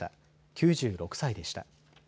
９６歳でした。